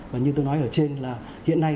và như tôi nói ở trên là hiện nay